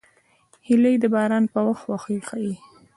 هیلۍ د باران په وخت خوښي ښيي